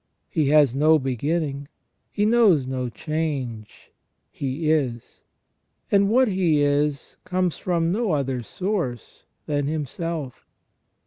He has no beginning; He knows no change; He is ; and what He is comes from no other source than Himself.